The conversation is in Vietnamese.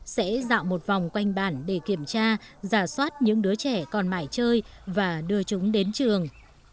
sẽ dạo một vòng quanh bản để kiểm tra giả soát những đứa trẻ còn mãi chơi và đưa chúng đến trường